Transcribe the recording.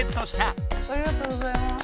ありがとうございます！